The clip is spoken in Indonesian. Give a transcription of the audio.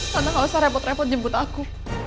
karena gak usah repot repot jemput aku